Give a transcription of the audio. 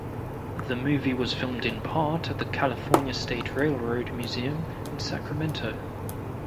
The movie was filmed in part at the California State Railroad Museum in Sacramento.